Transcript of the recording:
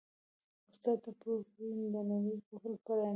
استاد د پوهې د نړۍ قفل پرانیزي.